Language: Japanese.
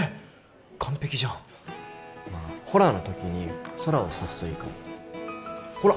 完璧じゃんまあ「ほら」のときに空を指すといいかもほら！